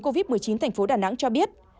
covid một mươi chín thành phố đà nẵng cho biết